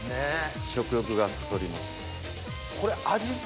食欲がそそります。